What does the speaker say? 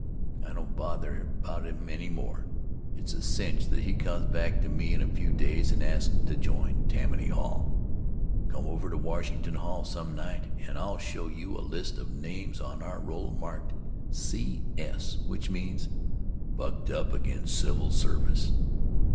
I don't bother about him any more. It's a cinch that he comes back to me in a few days and asks to join Tammany Hall. Come over to Washington Hall some night and I'll show you a list of names on our roll' marked "C.S." which means, "bucked up against civil service."